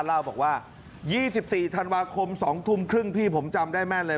เล่าบอกว่ายี่สิบสี่ธันวาคมสองทุ่มครึ่งพี่ผมจำได้แม่นเลย